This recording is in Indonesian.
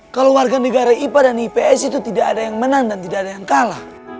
kalau warga negara ipa dan ips itu tidak ada yang menang dan tidak ada yang kalah